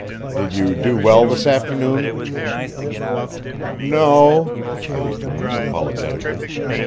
Did you do well this afternoon?" "No o," I returned apologetically.